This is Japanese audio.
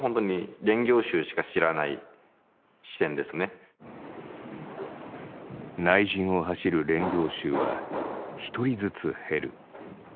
本当に内陣を走る練行衆は１人ずつ減る。